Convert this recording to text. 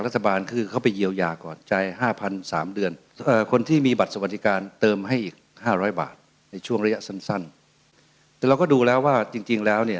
แต่เราก็ดูแล้วว่าจริงแล้ว